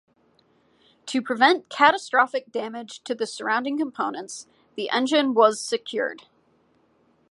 To prevent catastrophic damage to the surrounding components the engine was secured.